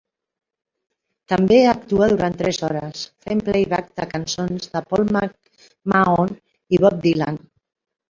També actua durant tres hores, fent playback de cançons de Paul McMahon i Bob Dylan.